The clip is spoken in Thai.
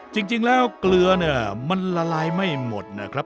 จริงแล้วเกลือเนี่ยมันละลายไม่หมดนะครับ